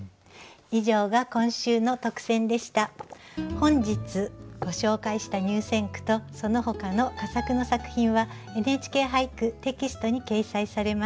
本日ご紹介した入選句とそのほかの佳作の作品は「ＮＨＫ俳句」テキストに掲載されます。